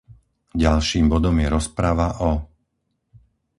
Ďalším bodom je rozprava o